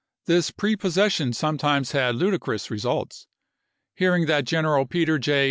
This prepossession some times had ludicrous results. Hearing that General Peter J.